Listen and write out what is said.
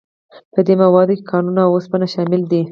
په دې موادو کې کانونه او اوسپنه شامل دي.